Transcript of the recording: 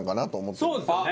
そうですよね。